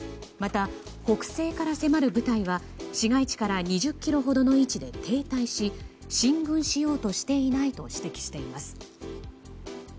また北西から迫る部隊は市街地から２０ｋｍほどの位置で停滞し、進軍しようとしていないと指摘しています。